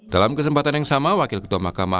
dalam kesempatan yang sama wakil ketua mahkamah